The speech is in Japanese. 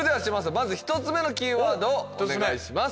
まず１つ目のキーワードをお願いします